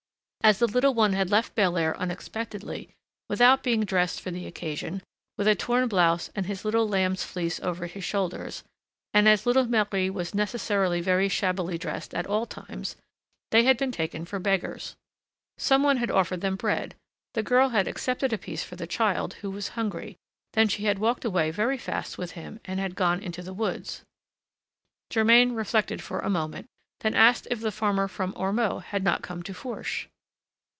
As the little one had left Belair unexpectedly, without being dressed for the occasion, with a torn blouse and his little lamb's fleece over his shoulders; and as little Marie was necessarily very shabbily dressed at all times, they had been taken for beggars. Some one had offered them bread; the girl had accepted a piece for the child, who was hungry, then she had walked away very fast with him and had gone into the woods. Germain reflected a moment, then asked if the farmer from Ormeaux had not come to Fourche.